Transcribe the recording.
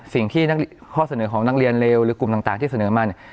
สิ่งที่ข้อเสนอของนักเรียนเลวหรือกลุ่มต่างที่เสนอมาเนี่ย